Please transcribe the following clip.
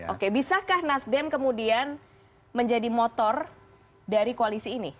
oke bisakah nasdem kemudian menjadi motor dari koalisi ini